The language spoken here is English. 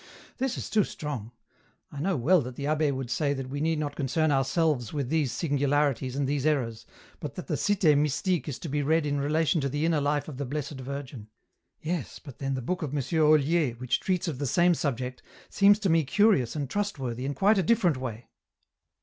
" This is too strong. I know well that the abb^ would say that we need not concern ourselves with these singularities and these errors, but that the * Cit6 Mystique ' is to be read in relation to the inner life of the Blessed Virgin. Yes, but then the book of M. Oilier, which treats of the same subject, seems to me curious and trustworthy in quite a different way."